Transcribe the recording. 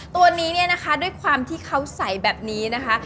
ตัวนี้เนี่ยนะคะด้วยความที่เขาใส่แบบนี้นะคะ